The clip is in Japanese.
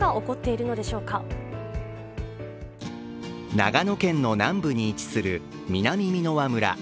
長野県の南部に位置する南箕輪村。